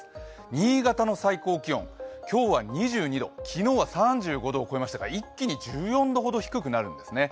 新潟の最高気温、今日は２２度、昨日は３５度を超えましたから一気に１４度ほど低くなるんですね。